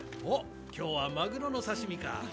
おっ今日はマグロの刺し身か。